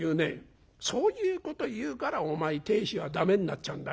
そういうこと言うからお前亭主は駄目になっちゃうんだよ。